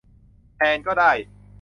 แทนก็ได้